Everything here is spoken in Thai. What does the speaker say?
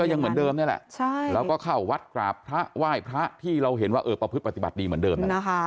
ยังเหมือนเดิมนี่แหละแล้วก็เข้าวัดกราบพระไหว้พระที่เราเห็นว่าเออประพฤติปฏิบัติดีเหมือนเดิม